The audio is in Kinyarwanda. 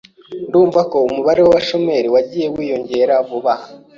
Ndumva ko umubare w'abashomeri wagiye wiyongera vuba aha.